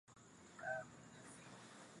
wafugaji wanakumbana nayo mara kwa mara